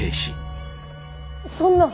そんな！